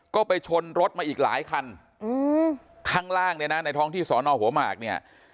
ก็ไปชนรถมาอีกหลายคันข้างล่างเนี่ยนะในท้องที่สอนอหัวหมากเนี่ย